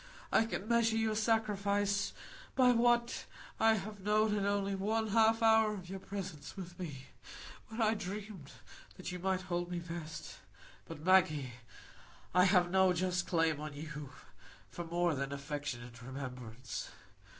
I can measure your sacrifice by what I have known in only one half hour of your presence with me, when I dreamed that you might love me best. But, Maggie, I have no just claim on you for more than affectionate remembrance.